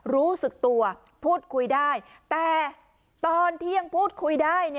รู้สึกตัวพูดคุยได้แต่ตอนที่ยังพูดคุยได้